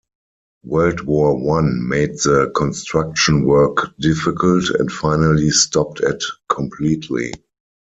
World War One made the construction work difficult, and finally stopped it completely.